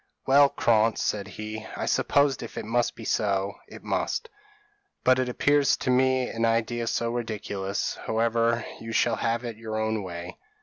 p> "Well, Krantz," said he, "I suppose if it must be so, it must but it appears to me an idea so ridiculous however, you shall have your own way."